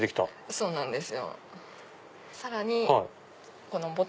そうなんです。